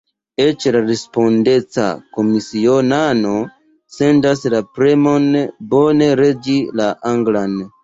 Eĉ la respondeca komisionano sentas la premon bone regi la anglan.